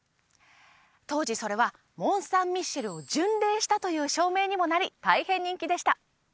当時それはモン・サン・ミシェルを巡礼したという証明にもなり大変人気でした